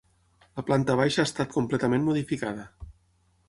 La planta baixa ha estat completament modificada.